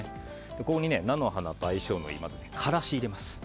ここに菜の花と相性のいいからしを入れます。